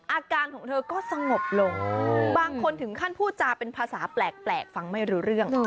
อาการของเธอก็สงบลงบางคนถึงขั้นพูดจาเป็นภาษาแปลกฟังไม่รู้เรื่อง